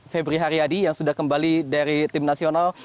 febri haryadi yang sudah kembali dari tim nasional